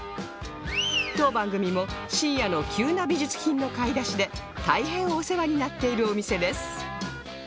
当番組も深夜の急な美術品の買い出しで大変お世話になっているお店です